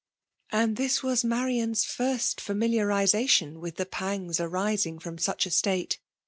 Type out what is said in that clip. And this was Marian's first familiarization with the pangs arising from such a state